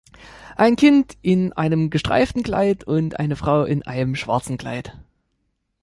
Ein Kind in einem gestreiften Kleid und eine Frau in einem schwarzen Kleid.